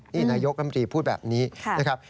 นี่นายกรมตรีพูดแบบนี้นะครับ